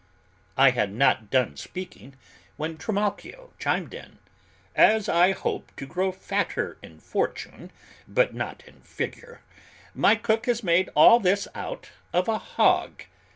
I had not done speaking, when Trimalchio chimed in, "As I hope to grow fatter in fortune but not in figure, my cook has made all this out of a hog!